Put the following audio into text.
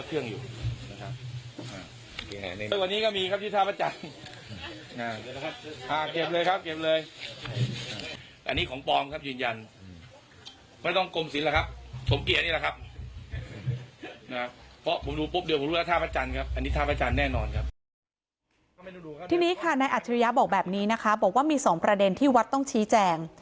ทีนี้ค่ะนายอัจฉริยะบอกแบบนี้นะคะบอกว่ามี๒ประเด็นที่วัดต้องชี้แจง